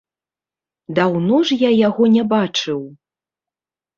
Даўно ж я яго не бачыў.